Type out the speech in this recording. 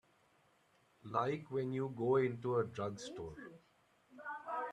Like when you go into a drugstore.